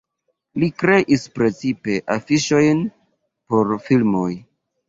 Li kreis precipe afiŝojn por filmoj.